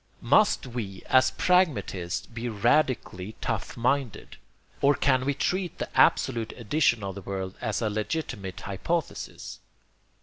Must we as pragmatists be radically tough minded? or can we treat the absolute edition of the world as a legitimate hypothesis?